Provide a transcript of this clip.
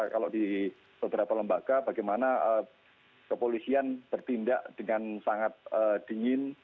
kalau di beberapa lembaga bagaimana kepolisian bertindak dengan sangat dingin